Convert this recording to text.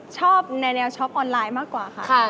ชอบในแนวช็อปออนไลน์มากกว่าค่ะ